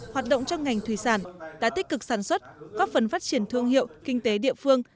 hoạt động trong ngành thủy sản đã tích cực sản xuất góp phần phát triển thương hiệu kinh tế địa phương